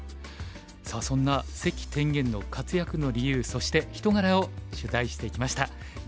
さあそんな関天元の活躍の理由そして人柄を取材してきました。